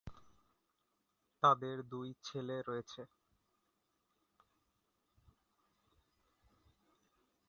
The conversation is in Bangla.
তাদের দুই ছেলে রয়েছে।